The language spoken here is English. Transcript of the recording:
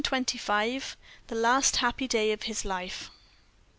CHAPTER XXVI. THE LAST HAPPY DAY OF HIS LIFE.